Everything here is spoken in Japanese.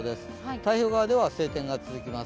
太平洋側では晴天が続きます。